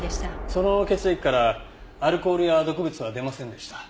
その血液からアルコールや毒物は出ませんでした。